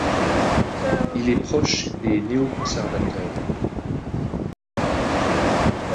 Il est proche des néo-conservateurs.